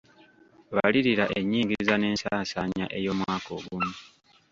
Balirira ennyingiza n’ensasaanya ey’omwaka ogumu.